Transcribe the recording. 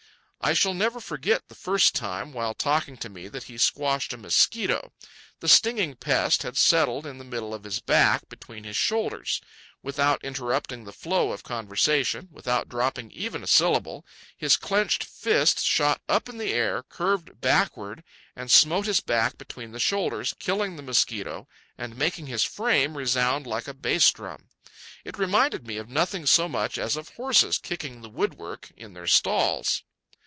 I shall never forget the first time, while talking to me, that he squashed a mosquito. The stinging pest had settled in the middle of his back between his shoulders. Without interrupting the flow of conversation, without dropping even a syllable, his clenched fist shot up in the air, curved backward, and smote his back between the shoulders, killing the mosquito and making his frame resound like a bass drum. It reminded me of nothing so much as of horses kicking the woodwork in their stalls.